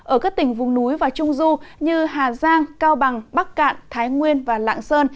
ở các tỉnh vùng núi và trung du như hà giang cao bằng bắc cạn thái nguyên và lạng sơn